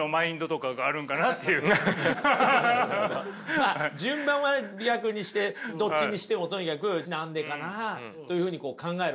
まあ順番は逆にしてどっちにしてもとにかく何でかなというふうに考えるわけですよね。